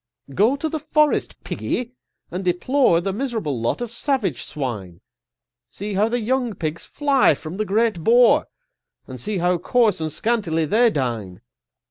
Go to the forest, Piggy, and deplore The miserable lot of savage Swine! See how the young Pigs fly from the great Boar, And see how coarse and scantily they dine!